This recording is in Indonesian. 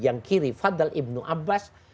yang kiri faddal ibnu abbas